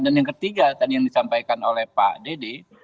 dan yang ketiga tadi yang disampaikan oleh pak dede